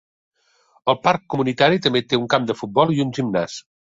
El parc comunitari també té un camp de futbol i un gimnàs.